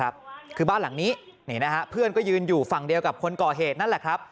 คือบ้านหลังนี้นี่นะฮะเพื่อนก็ยืนอยู่ฝั่งเดียวกับคนก่อเหตุนั่นแหละครับ